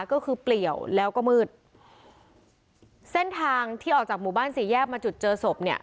ก็คือเปลี่ยวแล้วก็มืดเส้นทางที่ออกจากหมู่บ้านสี่แยกมาจุดเจอศพเนี่ย